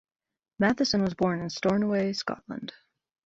Matheson was born in Stornoway, Scotland.